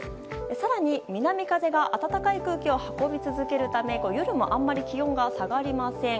更に、南風が暖かい空気を運び続けるため夜もあまり気温が下がりません。